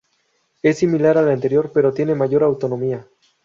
Es similar al anterior, pero tiene mayor autonomía.